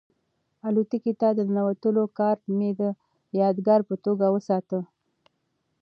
الوتکې ته د ننوتلو کارډ مې د یادګار په توګه وساته.